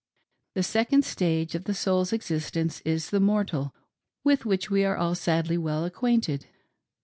The second stage of the soul's existence is the mortal ; with which we all are sadly well acquainted.